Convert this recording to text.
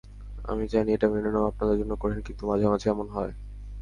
আমি জানি এটা মেনে নেওয়া আপনাদের জন্য কঠিন, কিন্তু মাঝেমাঝে এমন হয়।